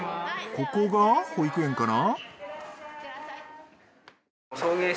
ここが保育園かな？